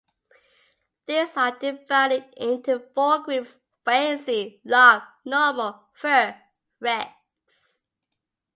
These are divided into four groups - Fancy, Lop, Normal Fur, Rex.